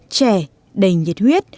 trẻ đầy nhiệt huyết